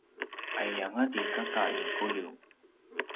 aiyanga ti kaka i Kuliu